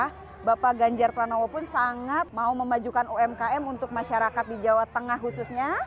karena bapak ganjar pranowo pun sangat mau memajukan umkm untuk masyarakat di jawa tengah khususnya